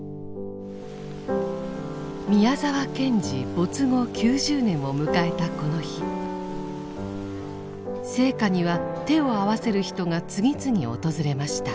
宮沢賢治没後９０年を迎えたこの日生家には手を合わせる人が次々訪れました。